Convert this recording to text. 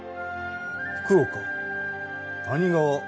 福岡谷川